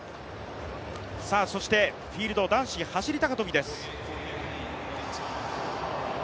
そしてフィールド男子走高跳です。